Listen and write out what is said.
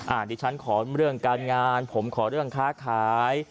อันนี้ฉันขอเรื่องการงานผมขอเรื่องค้าขาย